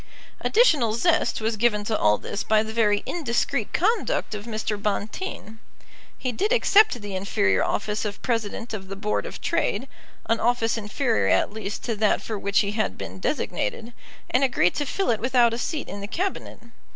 Additional zest was given to all this by the very indiscreet conduct of Mr. Bonteen. He did accept the inferior office of President of the Board of Trade, an office inferior at least to that for which he had been designated, and agreed to fill it without a seat in the Cabinet.